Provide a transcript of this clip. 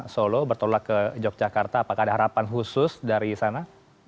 solo bertolak ke yogyakarta apakah ada harapan khusus dari sana